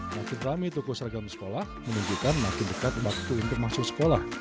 makin rame toko seragam sekolah menunjukkan makin dekat waktu untuk masuk sekolah